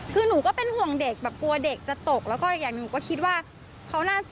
คือหนูก็เป็นห่วงเด็กแบบกลัวเด็กจะตกแล้วก็อย่างหนึ่งก็คิดว่าเขาน่าจะ